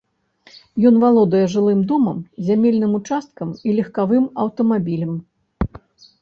Ён валодае жылым домам, зямельным участкам і легкавым аўтамабілем.